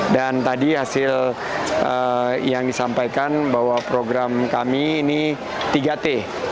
tadi hasil yang disampaikan bahwa program kami ini tiga t